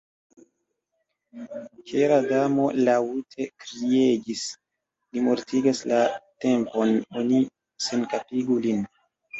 Kera Damo laŭte kriegis: 'Li mortigas la Tempon; oni senkapigu lin.'"